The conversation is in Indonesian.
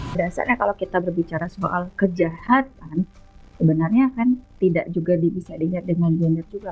biasanya kalau kita berbicara soal kejahatan sebenarnya kan tidak juga bisa dilihat dengan gener juga